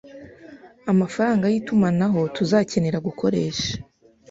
amafaranga y’itumanaho tuzakenera gukoresha